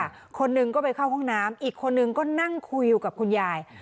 คนหนึ่งก็ไปเข้าห้องน้ำอีกคนนึงก็นั่งคุยอยู่กับคุณยาย